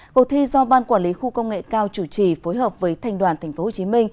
cuộc thi do ban quản lý khu công nghệ cao chủ trì phối hợp với thành đoàn tp hcm